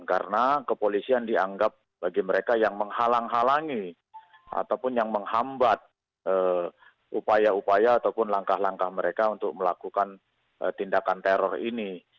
karena kepolisian dianggap bagi mereka yang menghalang halangi ataupun yang menghambat upaya upaya ataupun langkah langkah mereka untuk melakukan tindakan teror ini